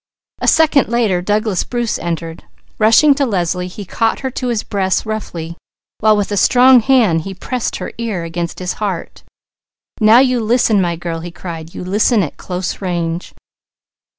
A second later Douglas Bruce entered. Rushing to Leslie he caught her to his breast roughly, while with a strong hand he pressed her ear against his heart. "Now you listen, my girl!" he cried. "You listen at close range."